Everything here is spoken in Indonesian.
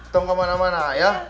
tunggu ke mana mana ya